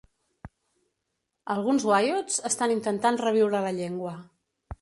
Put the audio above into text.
Alguns wiyots estan intentant reviure la llengua.